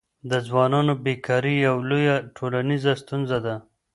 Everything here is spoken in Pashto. د ځوانانو بېکاري یوه لویه ټولنیزه ستونزه ده.